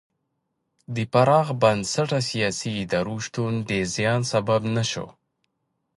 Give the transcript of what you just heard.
د پراخ بنسټه سیاسي ادارو شتون د زیان سبب نه شو.